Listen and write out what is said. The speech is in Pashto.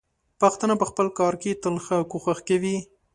پښتانه په خپل کار کې تل ښه کوښښ کوي.